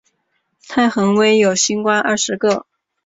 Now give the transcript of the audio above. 太微垣有星官二十个。